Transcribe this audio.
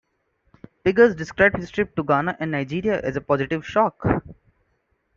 Biggers described his trip to Ghana and Nigeria as a positive shock.